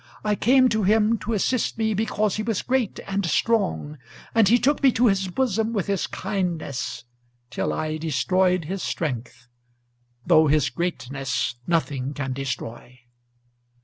I came to him to assist me because he was great and strong, and he took me to his bosom with his kindness, till I destroyed his strength; though his greatness nothing can destroy."